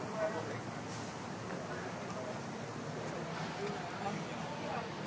โปรดติดตามต่อไป